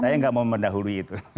saya nggak mau mendahului itu